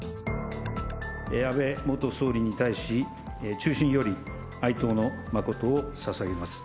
安倍元総理に対し、衷心より哀悼の誠をささげます。